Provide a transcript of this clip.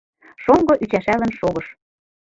Шоҥго ӱчашалын шогыш